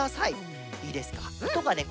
いいですか？